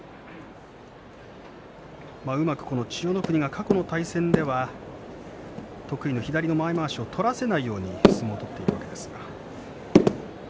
うまく千代の国が過去の対戦では前まわしを取らせないように相撲を取っています。